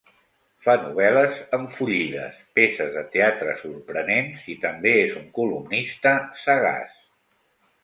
Fa novel·les enfollides, peces de teatre sorprenents i també és un columnista sagaç.